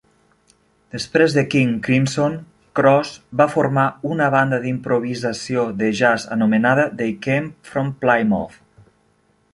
Després de King Crimson, Cross va formar una banda d'improvisació de jazz anomenada They Came from Plymouth.